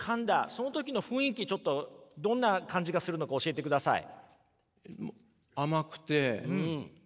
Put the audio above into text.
その時の雰囲気ちょっとどんな感じがするのか教えてください。